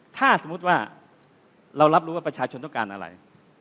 ถ้าสมมุติว่าเรารับรู้ว่าประชาชนต้องการอะไร